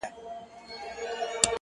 • بدراتلونکی دې مستانه حال کي کړې بدل ـ